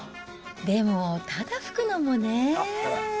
でもただ吹くのもね。